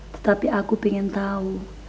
tetapi aku pengen tahu